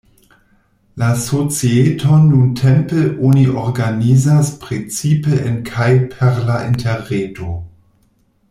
La societon nuntempe oni organizas precipe en kaj per la interreto.